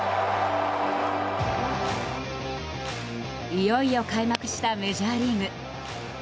いよいよ開幕したメジャーリーグ。